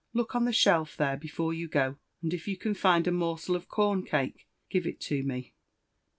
Look on the shelf there, before you go ; and if you can find a morsel of corn cake, give it to me."